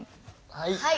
はい。